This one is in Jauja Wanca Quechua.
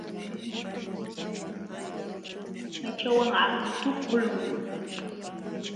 Aychawan aqtuqlun.